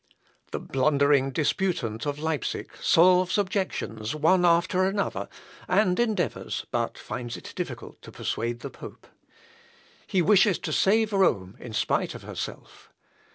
The blustering disputant of Leipsic solves objections one after another, and endeavours, but finds it difficult to persuade the pope. He wishes to save Rome in spite of herself.